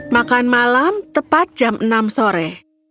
makan malam tepat jam enam sore